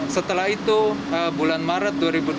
setelah itu bulan maret dua ribu dua puluh